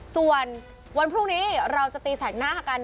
ส่วนวันพรุ่งนี้เราจะตีแสกหน้ากัน